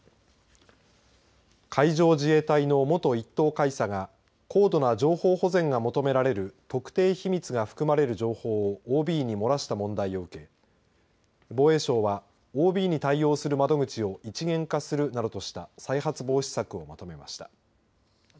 海上自衛隊の元１等海佐が高度な情報保全が求められる特定秘密が含まれる情報をＯＢに漏らした問題を受け防衛省はＯＢに対応する窓口を一元化するなどとした再発防止策をまとめました。